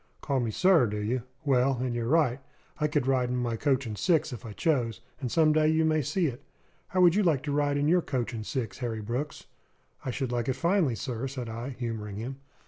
"Call me 'sir,' do you? Well, and you're right. I could ride in my coach and six if I chose; and some day you may see it. How would you like to ride in your coach and six, Harry Brooks?" "I should like it finely, sir," said I, humouring him.